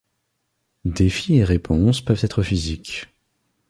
Défis et réponses peuvent être physiques.